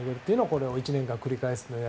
これを１年間繰り返す。